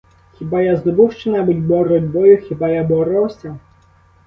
Хіба я здобув що-небудь боротьбою, хіба я боровся?